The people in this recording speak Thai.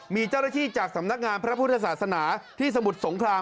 มีเจ้าหน้าที่จากสำนักงานพระพุทธศาสนาที่สมุทรสงคราม